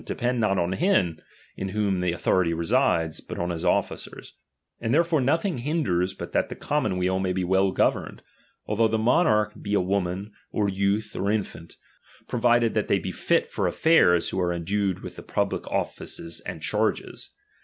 t3epend not on him in whom the authority resides, i ^■out on his officers ; and therefore nothing hinders fcDut that the commonweal may be well governed, though the monarch be a woman, or youth, or infant, provided that they be fit for affairs who j^Eare endued with the public offices and charges.